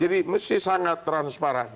jadi mesti sangat transparan